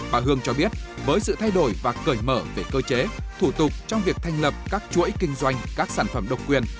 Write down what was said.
bà hương cho biết với sự thay đổi và cởi mở về cơ chế thủ tục trong việc thành lập các chuỗi kinh doanh các sản phẩm độc quyền